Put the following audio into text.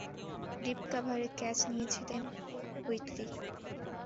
Deep কাভারে catch নিয়েছেন Whitley.